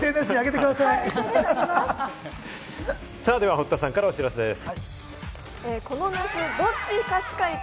堀田さんからお知らせです。